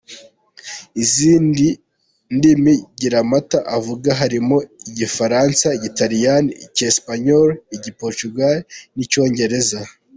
Izindi ndimi Giramata avuga harimo Igifaransa, Igitaliyani, Icyesipanyoro, Igi- Portuguese n’Icyongereza.